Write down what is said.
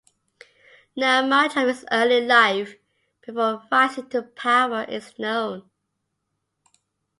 Not much of his early life before rising to power is known.